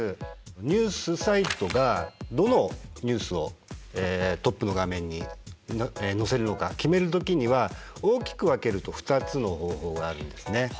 ニュースサイトがどのニュースをトップの画面に載せるのか決める時には大きく分けると２つの方法があるんですね。